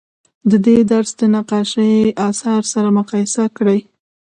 د دې درس د نقاشۍ اثار سره مقایسه کړئ.